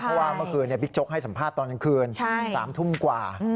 เพราะว่าเมื่อคืนบิ๊กโจ๊กให้สัมภาษณ์ตอนกลางคืน๓ทุ่มกว่า